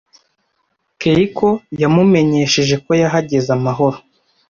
Keiko yamumenyesheje ko yahageze amahoro.